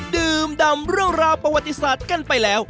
ดื่มด่ำรูปราวัติศาสตร์กันไปแล้ว